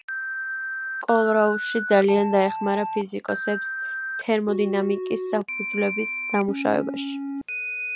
კოლრაუში ძალიან დაეხმარა ფიზიკოსებს თერმოდინამიკის საფუძვლების დამუშავებაში.